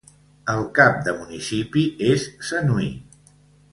El cap de municipi és Sanui.